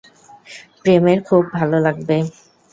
প্রেমের খুব ভালো লাগবে।